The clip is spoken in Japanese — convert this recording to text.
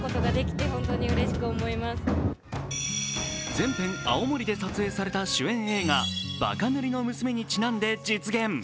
全編青森で撮影された主演映画「バカ塗りの娘」にちなんで実現。